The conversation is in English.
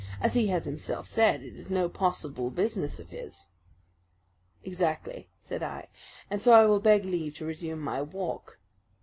"As he has himself said, it is no possible business of his." "Exactly," said I, "and so I will beg leave to resume my walk."